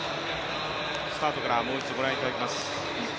スタートからもう一度ご覧いただきます。